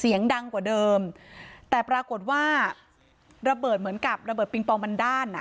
เสียงดังกว่าเดิมแต่ปรากฏว่าระเบิดเหมือนกับระเบิด